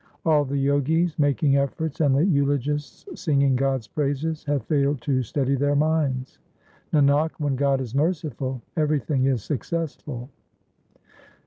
All the Jogis making efforts and the eulogists singing God's praises have failed to steady their minds. Nanak, when God is merciful, everything is successful.